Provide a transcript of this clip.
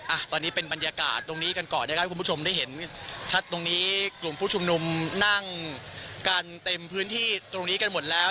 อ่ะตอนนี้เป็นบรรยากาศตรงนี้กันก่อนนะครับให้คุณผู้ชมได้เห็นชัดตรงนี้กลุ่มผู้ชุมนุมนั่งกันเต็มพื้นที่ตรงนี้กันหมดแล้ว